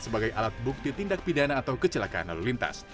sebagai alat bukti tindak pidana atau kecelakaan lalu lintas